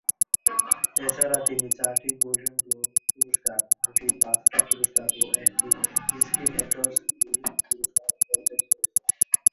এছাড়া তিনি চারটি গোল্ডেন গ্লোব পুরস্কার, দুটি বাফটা পুরস্কার ও একটি স্ক্রিন অ্যাক্টরস গিল্ড পুরস্কার অর্জন করেছেন।